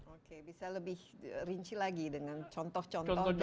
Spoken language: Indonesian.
oke bisa lebih rinci lagi dengan contoh contoh